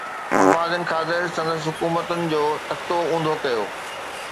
مفادن خاطر سندن حڪومتن جو تختو اونڌو ڪيو